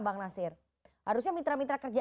bang nasir harusnya mitra mitra kerja